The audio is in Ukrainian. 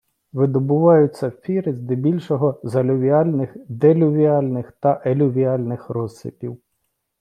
Видобувають сапфіри здебільшого з алювіальних, делювіальних та елювіальних розсипів